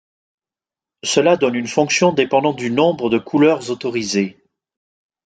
Cela donne une fonction dépendant du nombre de couleurs autorisées.